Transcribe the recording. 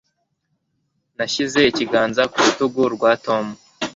Nashyize ikiganza ku rutugu rwa Tom